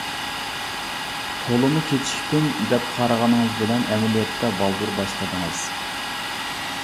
تولىمۇ كېچىكتىم، دەپ قارىغىنىڭىز بىلەن ئەمەلىيەتتە بالدۇر باشلىدىڭىز.